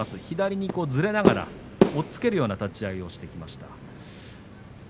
左にずれながら押っつけるような立ち合いをしてきました。